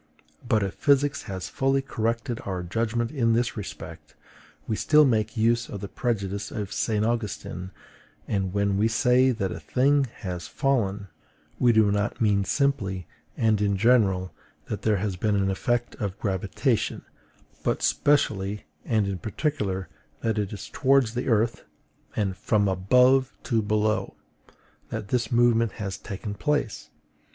But if physics has fully corrected our judgment in this respect, we still make use of the prejudice of St. Augustine; and when we say that a thing has FALLEN, we do not mean simply and in general that there has been an effect of gravitation, but specially and in particular that it is towards the earth, and FROM ABOVE TO BELOW, that this movement has taken place.